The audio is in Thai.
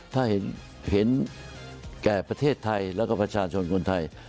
ถ้าเห็นแก่ประเทศไทยแล้วก็ประชาชนคนไทย